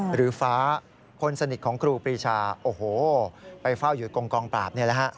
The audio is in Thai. หรือฟ้าคนสนิทของครูปรีชาโอ้โหไปเฝ้าอยู่ตรงกองปราบนี่แหละฮะ